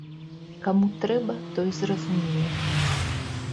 Каму трэба, той зразумее.